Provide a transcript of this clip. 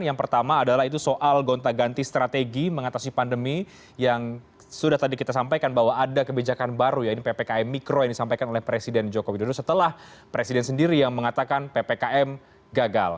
yang pertama adalah itu soal gonta ganti strategi mengatasi pandemi yang sudah tadi kita sampaikan bahwa ada kebijakan baru ya ini ppkm mikro yang disampaikan oleh presiden joko widodo setelah presiden sendiri yang mengatakan ppkm gagal